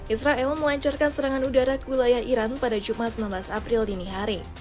israel melancarkan serangan udara ke wilayah iran pada jumat sembilan belas april dini hari